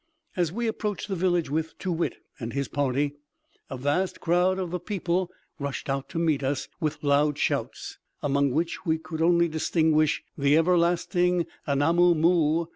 As we approached the village with Too wit and his party, a vast crowd of the people rushed out to meet us, with loud shouts, among which we could only distinguish the everlasting Anamoo moo!